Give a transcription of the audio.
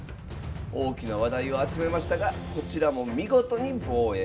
大きな話題を集めましたがこちらも見事に防衛。